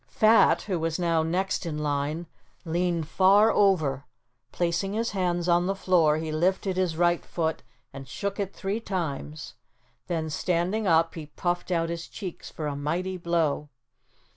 Fat, who was now next in line, leaned far over. Placing his hands on the floor he lifted his right foot and shook it three times, then standing up he puffed out his cheeks for a mighty blow.